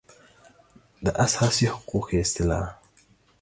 د اساسي حقوقو اصطلاح